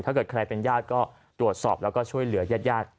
ถ้าเกิดใครเป็นญาติก็ตรวจสอบแล้วก็ช่วยเหลือญาติญาติ